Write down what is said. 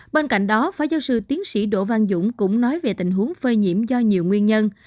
bên cạnh đó phó giáo sư tiến sĩ đỗ văn dũng cũng nói về tình huống phơi nhiễm do nhiều nguyên nhân